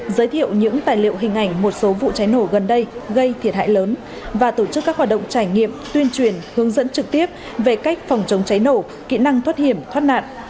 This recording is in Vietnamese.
giới thiệu những tài liệu hình ảnh một số vụ cháy nổ gần đây gây thiệt hại lớn và tổ chức các hoạt động trải nghiệm tuyên truyền hướng dẫn trực tiếp về cách phòng chống cháy nổ kỹ năng thoát hiểm thoát nạn